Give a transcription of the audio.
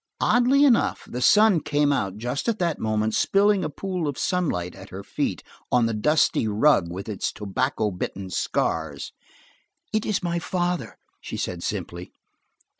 Oddly enough, the sun came out just at that moment, spilling a pool of sunlight at her feet, on the dusty rug with its tobacco bitten scars. "It is my father," she said simply.